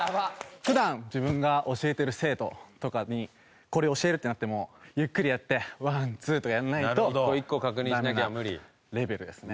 普段自分が教えてる生徒とかにこれ教えるってなってもゆっくりやって「ワンツー」とやらないとダメなレベルですね。